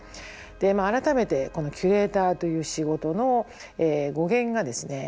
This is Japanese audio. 改めてキュレーターという仕事の語源がですね